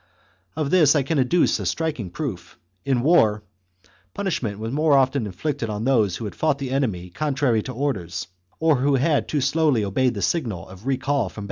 Of this I can adduce a striking proof; in war, punishment was more often inflicted on those who had fought the enemy contrary to orders, or who had too slowly obeyed the signal of recall from